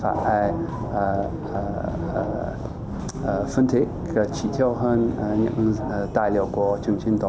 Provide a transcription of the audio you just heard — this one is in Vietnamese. và phân tích tri nhiêu hơn những đài liệu của chương trình đó